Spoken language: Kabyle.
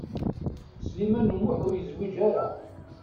Sliman U Muḥ ur yezwiǧ ara.